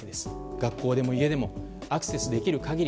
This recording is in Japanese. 学校でも家でもアクセスできる限り